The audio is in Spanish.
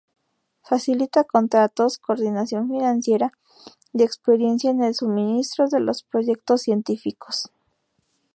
Facilita contratos, coordinación financiera y experiencia en el suministro a los proyectos científicos.